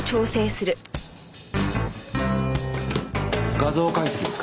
画像解析ですか？